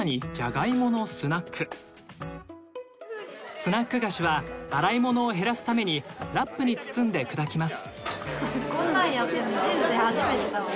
スナック菓子は洗い物を減らすためにラップに包んで砕きます。